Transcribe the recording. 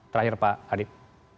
terakhir pak adip